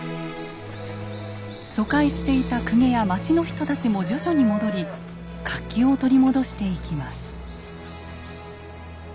疎開していた公家や町の人たちも徐々に戻り活気を取り戻していきます。